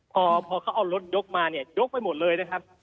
พอเขาเอารถยกมาเนี่ยยกไปหมดเลยนะครับ